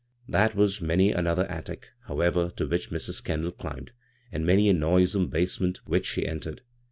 " There was many another attic, however, b> which Mis. Kendall climbed, and many a noisome basement which she entered.